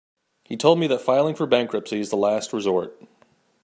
He told me that filing for bankruptcy is the last resort.